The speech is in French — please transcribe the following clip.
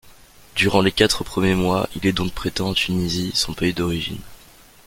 Durant les quatre premiers mois, il est donc prêté en Tunisie, son pays d'origine.